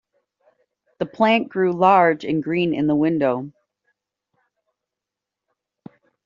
The plant grew large and green in the window.